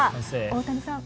大谷さん